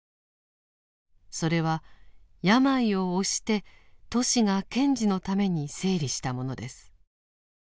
それは病を押してトシが賢治のために整理したものです。